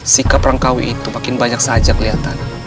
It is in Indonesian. sikap rangkawi itu makin banyak saja kelihatan